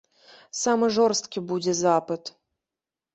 Самы жорсткі будзе запыт.